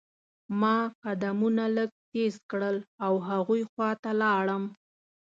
ما قدمونه لږ تیز کړل او هغوی خوا ته لاړم.